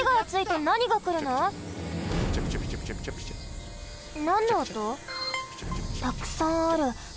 たくさんある。